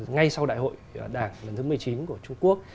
ngay sau đại hội đảng lần thứ một mươi chín của trung quốc